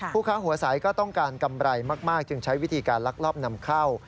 ค้าหัวใสก็ต้องการกำไรมากจึงใช้วิธีการลักลอบนำเข้า